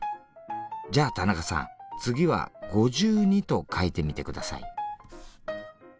じゃあ田中さん次は５２と書いてみて下さい。